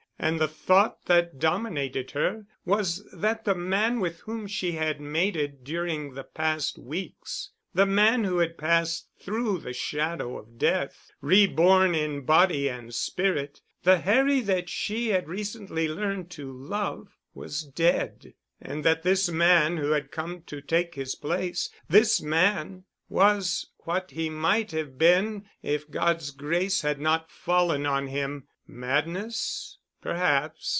And the thought that dominated her was that the man with whom she had mated during the past weeks, the man who had passed through the shadow of death, reborn in body and spirit, the Harry that she had recently learned to love—was dead; and that this man who had come to take his place—this man—was what he might have been if God's grace had not fallen on him. Madness? Perhaps.